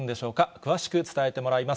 詳しく伝えてもらいます。